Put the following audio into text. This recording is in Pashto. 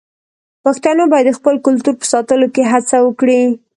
پښتانه بايد د خپل کلتور په ساتلو کې هڅه وکړي.